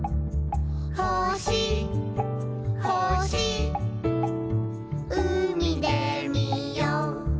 「ほしほしうみでみよう」